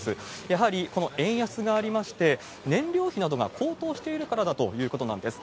やはりこの円安がありまして、燃料費などが高騰しているからだということなんです。